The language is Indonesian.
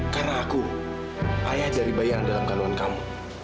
karena aku ayah dari bayi yang ada dalam kandungan kamu